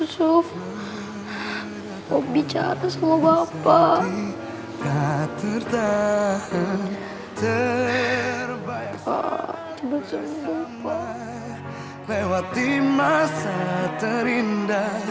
sampai jumpa di video selanjutnya